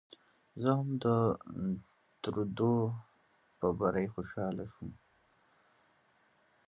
زه هم د ترودو په بري خوشاله شوم.